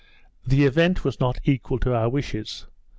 The event was not equal to our wishes.